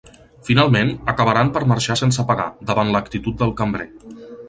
Finalment, acabaran per marxar sense pagar, davant l'actitud del cambrer.